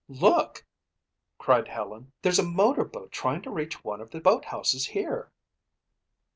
"Look!" cried Helen. "There's a motorboat trying to reach one of the boathouses here!"